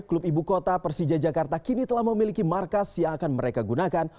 klub ibu kota persija jakarta kini telah memiliki markas yang akan mereka gunakan